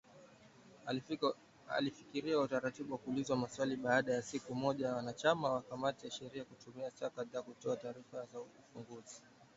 Alifikia utaratibu wa kuulizwa maswali baada ya siku moja wanachama wa kamati ya sheria kutumia saa kadhaa kutoa taarifa zao ufunguzi.